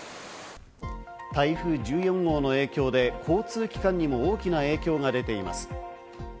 台風１４号の影響で、交通機関にも大きな影響が出ています。